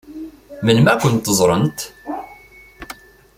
Melmi ad kent-ẓṛent?